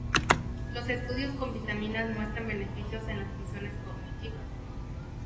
Los estudios con vitaminas muestran beneficios en las funciones cognitivas.